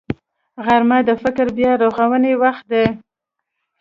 غرمه د فکري بیا رغونې وخت دی